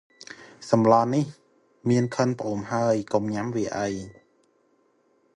សម្លនេះ មានក្លិនផ្អូមហើយ កុំញ៉ាំវាអី ។